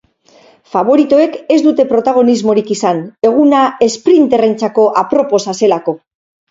Faboritoek ez dute protagonismorik izan, eguna esprinterrentzako aproposa zelako.